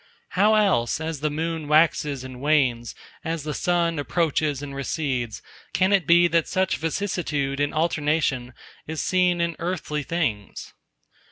How else, as the Moon waxes and wanes, as the Sun approaches and recedes, can it be that such vicissitude and alternation is seen in earthly things?